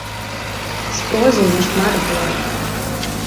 З прозай нашмат горай.